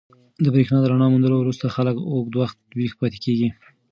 د برېښنا د رڼا موندلو وروسته خلک اوږده وخت ویښ پاتې کېږي.